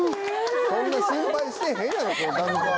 そんな心配してへんやろダムカード。